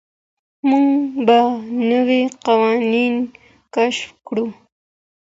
موږ به نوي قوانين کشف کړو.